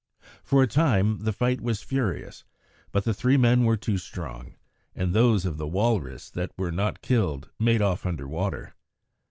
For a time the fight was furious, but the three men were too strong, and those of the walrus that were not killed made off under water.